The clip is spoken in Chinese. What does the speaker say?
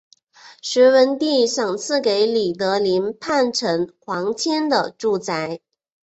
隋文帝赏赐给李德林叛臣王谦的住宅。